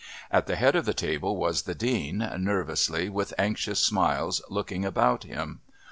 At the head of the table was the Dean, nervously with anxious smiles looking about him.